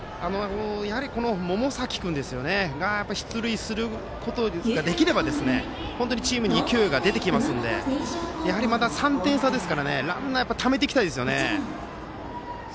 やはり、百崎君が出塁することができれば本当にチームに勢いが出てきますのでまだ３点差ですからランナーためていきたいですよね。